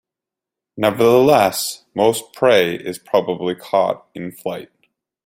Nevertheless, most prey is probably caught in flight.